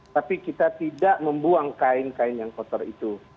tapi kita tidak membuang kain kain yang kotor itu